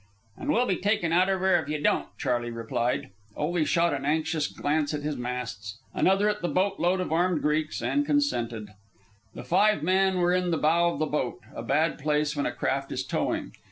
"And we'll be taken out of her if you don't," Charley replied. Ole shot an anxious glance at his masts, another at the boat load of armed Greeks, and consented. The five men were in the bow of the boat a bad place when a craft is towing.